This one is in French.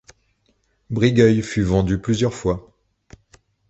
Brigueuil fut vendu plusieurs fois.